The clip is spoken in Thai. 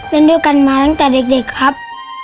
เล่นด้วยกันมาตั้งแต่เด็กครับ